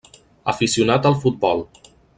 Aficionat al futbol.